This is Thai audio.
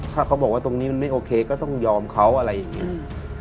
ถ้าเขาบอกว่าตรงนี้มันไม่โอเคก็ต้องยอมเขาอะไรอย่างนี้